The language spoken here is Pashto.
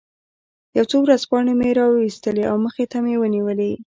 یو څو ورځپاڼې مې را وویستلې او مخې ته مې ونیولې.